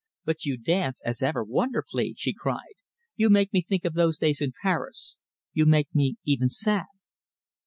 "But you dance, as ever, wonderfully!" she cried. "You make me think of those days in Paris. You make me even sad."